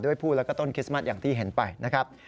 ผู้แล้วก็ต้นคริสต์มัสอย่างที่เห็นไปนะครับ